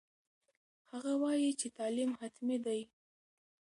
هغه وایي چې تعلیم حتمي دی.